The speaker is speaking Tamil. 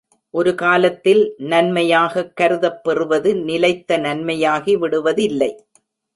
ஒரு காலத்தில் நன்மையாகக் கருதப் பெறுவது நிலைத்த நன்மையாகி விடுவதில்லை.